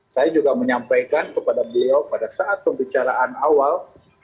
saya juga menyampaikan kepada beliau pada saat pembicaraan awal